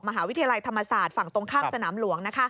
มหาวิทยาลัยธรรมศาสตร์ฝั่งตรงข้ามสนามหลวง